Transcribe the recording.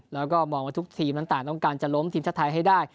แล้วก็มองว่าทุกทีมนั้นต่างต้องการจะล้มทีมชาติไทยให้ได้